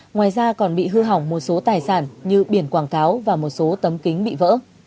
ngoài ra còn bị hư hỏng một số tài sản như biển quảng cáo và một số tấm kính bị vỡ